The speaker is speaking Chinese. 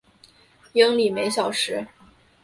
英里每小时。